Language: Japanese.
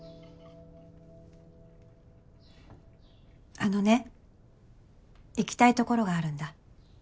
あのね行きたい所があるんだ。